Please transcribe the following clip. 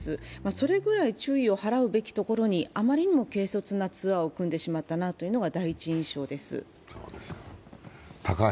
それぐらい注意を払うべきところに、あまりにも軽率なツアーを組んでしまったなというのが第一印象です。